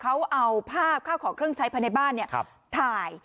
เขาเอาภาพข้าวของเครื่องใช้ภายในบ้านถ่าย